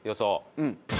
うん。